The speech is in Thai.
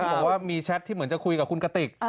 บอกว่ามีแชทที่เหมือนจะคุยกับคุณกติก